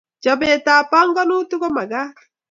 Chobet ab banganutik komakat